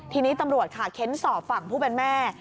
ทีนี้ตำรวจค่ะเค้นสอบฝั่งผู้เป็นแม่